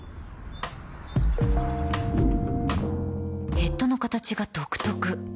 ヘッドの形が独特